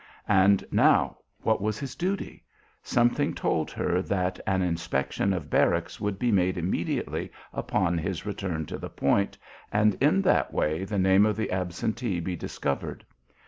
And now what was his duty? Something told her that an inspection of barracks would be made immediately upon his return to the Point, and in that way the name of the absentee be discovered.